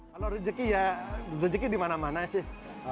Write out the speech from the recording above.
kalau rezeki ya rezeki di mana mana sih